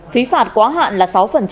phí phạt quá hạn là sáu